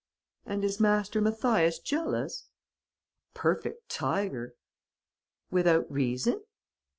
"'And is Master Mathias jealous?' "'A perfect tiger!' "'Without reason?'